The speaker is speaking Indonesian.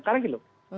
karena gitu loh